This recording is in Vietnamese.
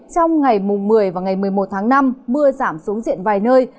trong ngày một mươi và ngày một mươi một tháng năm mưa giảm xuống diện vài nơi